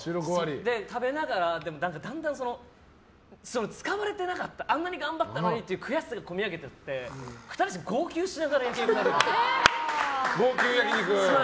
食べながらだんだん使われてなかったあんなに頑張ったのにっていう悔しさがこみ上げてきて２人して号泣しながら焼き肉食べるっていう。